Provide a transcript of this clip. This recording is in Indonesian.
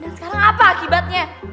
dan sekarang apa akibatnya